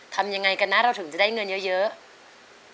ทำยังไงกันนะเราถึงจะได้เงินเยอะ